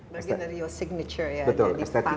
bagi naryo siapa yang terjadi